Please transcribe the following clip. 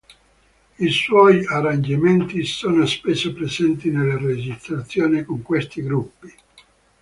I suoi arrangiamenti sono spesso presenti nelle registrazioni con questi gruppi.